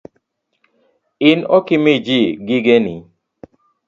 In ok imi ji gigeni?